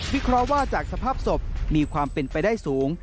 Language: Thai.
เคราะห์ว่าจากสภาพศพมีความเป็นไปได้สูง